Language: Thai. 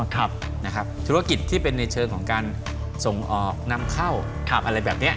ธุรกิจที่เป็นในเชิงของการส่งออกนำเข้าอะไรแบบนี้